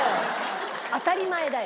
当たり前だよ！